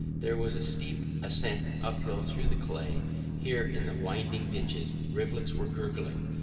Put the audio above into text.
There was a steep ascent uphill through the clay; here in the winding ditches rivulets were gurgling.